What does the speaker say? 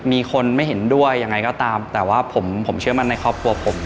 มีคนไม่เห็นด้วยยังไงก็ตามแต่ว่าผมเชื่อมั่นในครอบครัวผม